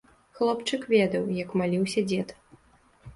Хлопчык ведаў, як маліўся дзед.